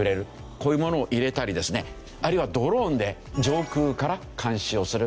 こういうものを入れたりですねあるいはドローンで上空から監視をする。